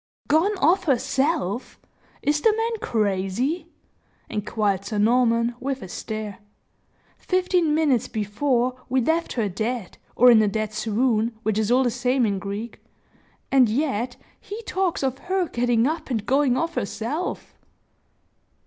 "Gone off herself! Is the man crazy?" inquired Sir Norman, with a stare. "Fifteen minutes before we left her dead, or in a dead swoon, which is all the same in Greek, and yet he talks of her getting up and going off herself!"